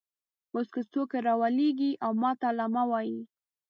اوس که څوک راولاړېږي او ماته علامه وایي.